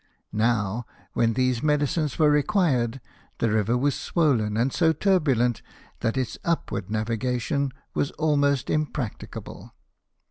Now, when these medicines were required the river was swollen, and so turbulent that its upward naviga APPOINTMENT TO THE '' JANUS^ 23 tion was almost impracticable.